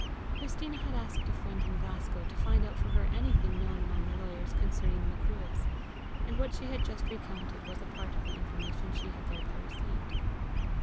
Christina had asked a friend in Glasgow to find out for her anything known among the lawyers concerning the Macruadhs, and what she had just recounted was a part of the information she had thereby received.